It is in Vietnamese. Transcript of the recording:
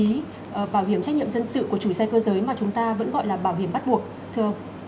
bảo hiểm trách nhiệm dân sự của chủ xe cơ giới